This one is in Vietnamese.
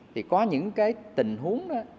thì có những cái tình huống đó